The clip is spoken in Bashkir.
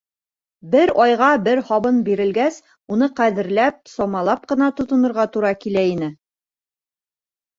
Бер айға бер һабын бирелгәс, уны ҡәҙерләп-самалап ҡына тотонорға тура килә ине.